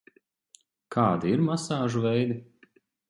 Kādi ir masāžu veidi?